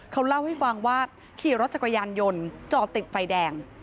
เขาเล่าให้ฟังว่าขี่รถจักรยานยนต์จอดติดไฟแดง